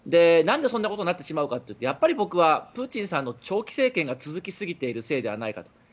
なんでそんなことになってしまうかというとやっぱり僕はプーチンさんの長期政権が続きすぎているからではないかと。